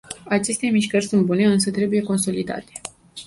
Aceste mișcări sunt bune, însă trebuie consolidate.